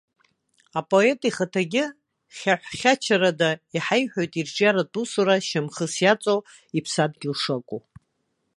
Апоет ихаҭагьы хьаҳәхьачарада иҳаиҳәоит ирҿиаратә усура шьамхыс иаҵоу иԥсадгьыл шакәу.